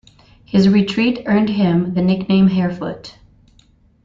His retreat earned him the nickname "Harefoot".